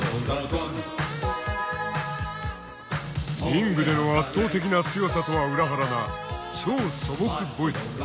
リングでの圧倒的な強さとは裏腹な超素朴ボイス。